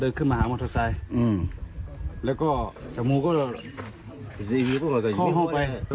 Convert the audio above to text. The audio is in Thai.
เดินขึ้นมาหามอเตอร์ไซด์อืมแล้วก็จะมูก็เข้าห้องไป